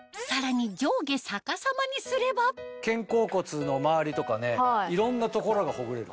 さらに肩甲骨の周りとかねいろんな所がほぐれる。